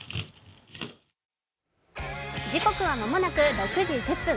時刻は間もなく６時１０分。